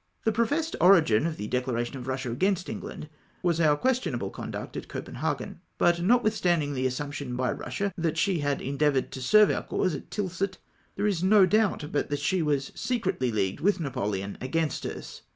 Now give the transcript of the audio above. The professed origin of the declaration of Eussia against England was our questionable conduct at Copenhagen. But, notwithstanding the assumption by Eussia, that she had endeavoured to serve om cause at Tilsit, there is no doubt but that she was secretly leagued with J^apoleon against us.